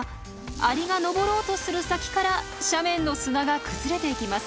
アリが登ろうとする先から斜面の砂が崩れていきます。